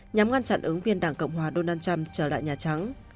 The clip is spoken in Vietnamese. nhằm ngăn chặn ứng viên đảng cộng hòa donald trump trở lại nhà trắng